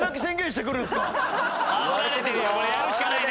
やるしかないね。